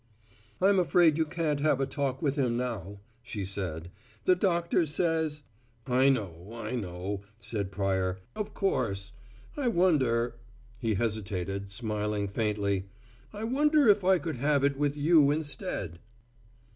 "I'm afraid you can't have a talk with him now," she said. "The doctor says " "I know, I know," said Pryor, "of course. I wonder" he hesitated, smiling faintly "I wonder if I could have it with you instead."